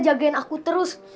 jagain aku terus